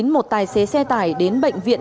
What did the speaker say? một tài xế xe tải đến bệnh viện